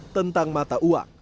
tentang mata uang